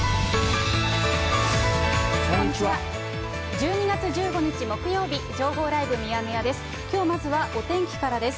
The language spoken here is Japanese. １２月１５日木曜日、情報ライブミヤネ屋です。